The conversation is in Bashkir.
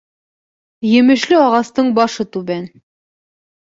Емешле ағастың башы түбән.